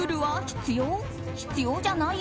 必要じゃない？